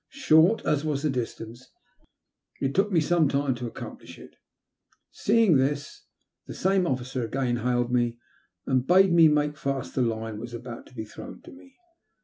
Short as was the distance, it took me some time to accomplish it. Seeing this, the same officer again hailed me, and bade me male fast the line that was about to be thrown to me.